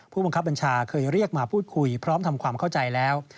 ผู้บังคับบัญชาเคยเรียกมาพูดคุยพร้อมทำความเข้าใจแล้ว